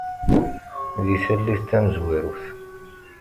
Di tallit tamezwarut.